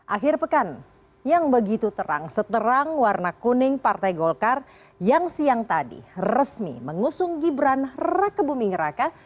akhir pekan yang begitu terang seterang warna kuning partai golkar yang siang tadi resmi mengusung gibran rakebumi ngeraka